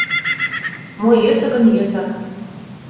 Мо йӧсӧ гын, йӧсак!